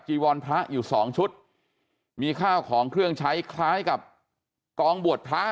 วรพระอยู่สองชุดมีข้าวของเครื่องใช้คล้ายกับกองบวชพระ